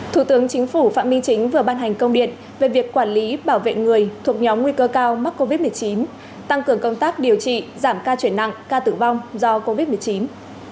thủ tướng chính phủ phạm minh chính vừa ban hành công điện về việc quản lý bảo vệ người thuộc nhóm nguy cơ cao mắc covid một mươi chín tăng cường công tác điều trị giảm ca chuyển nặng ca tử vong do covid một mươi chín